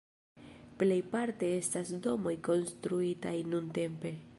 Plej parte estas domoj konstruitaj nuntempe.